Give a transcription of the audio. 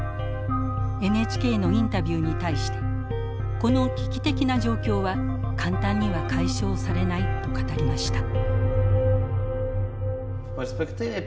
ＮＨＫのインタビューに対してこの危機的な状況は簡単には解消されないと語りました。